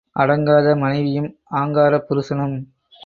அடங்காத மனைவியும் ஆங்காரப் புருஷனும்.